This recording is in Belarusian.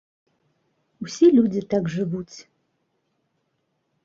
Усе людзі так жывуць.